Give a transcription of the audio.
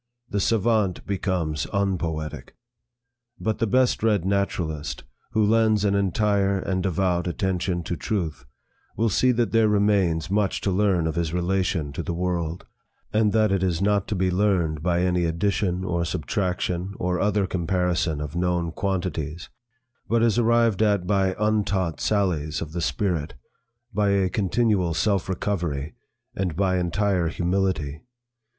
The savant becomes unpoetic. But the best read naturalist who lends an entire and devout attention to truth, will see that there remains much to learn of his relation to the world, and that it is not to be learned by any addition or subtraction or other comparison of known quantities, but is arrived at by untaught sallies of the spirit, by a continual self recovery, and by entire humility.